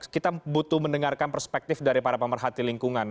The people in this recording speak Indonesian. kita butuh mendengarkan perspektif dari para pemerhati lingkungan